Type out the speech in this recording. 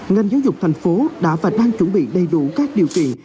ngành giáo dục thành phố đã và đang chuẩn bị đầy đủ các điều kiện